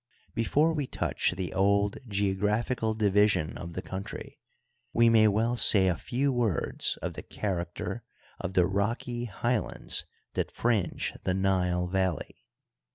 Before we touch the old geographical division of the country, we may well say a few words of the character of the rocky highlands that fringe the Nile valley.